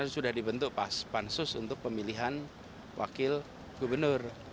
sudah dibentuk pansus untuk pemilihan wakil gubernur